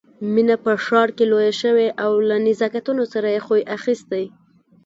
مينه په ښار کې لويه شوې او له نزاکتونو سره يې خوی اخيستی